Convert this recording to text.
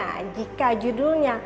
nah jika judulnya